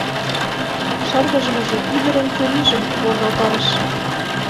Шыргыжмыже ӱдырын чурийжым волгалтарыш: